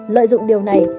lợi dụng điều này